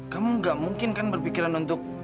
kamu gak mungkin kan berpikiran untuk